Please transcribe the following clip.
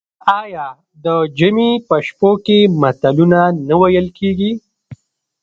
آیا د ژمي په شپو کې متلونه نه ویل کیږي؟